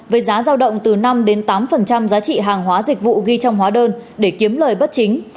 với giá giao động từ năm tám giá trị hàng hóa dịch vụ ghi trong hóa đơn để kiếm lời bất chính